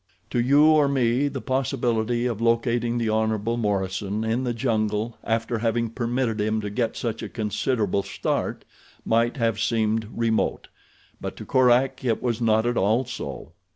To you or me the possibility of locating the Hon. Morison in the jungle after having permitted him to get such a considerable start might have seemed remote; but to Korak it was not at all so.